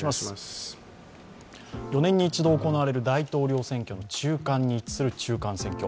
４年に１度行われる大統領選挙の中間に位置する中間選挙。